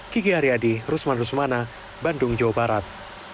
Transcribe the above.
kiki haryadi rusman rusmana bandung jawa barat